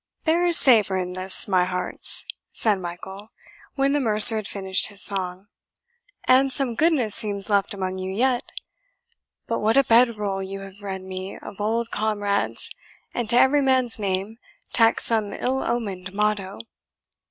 "There is savour in this, my hearts," said Michael, when the mercer had finished his song, "and some goodness seems left among you yet; but what a bead roll you have read me of old comrades, and to every man's name tacked some ill omened motto!